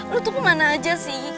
lu tuh kemana aja